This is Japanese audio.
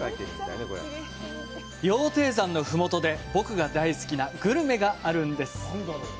羊蹄山のふもとで僕が大好きなグルメがあるんです！